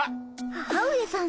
母上さん